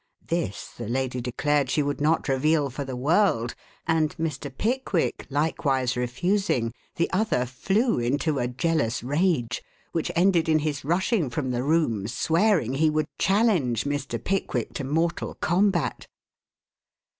This the lady declared she would not reveal for the world, and Mr. Pickwick likewise refusing, the other flew into a jealous rage, which ended in his rushing from the room swearing he would challenge Mr. Pickwick to mortal combat.